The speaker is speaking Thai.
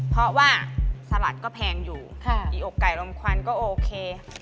เพราะว่าสลัดก็แพงอยู่อีอกไก่ลมควันก็โอเค